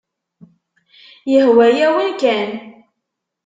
Yehwa-yawen kan.